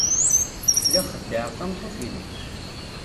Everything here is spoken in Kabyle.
Lliɣ xeddɛeɣ tameṭṭut-inu.